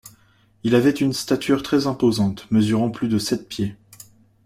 Il avait une stature très imposante mesurant plus de sept pieds.